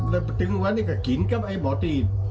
แล้วถึงวันนี้ก็กินกับไอ้บอตี้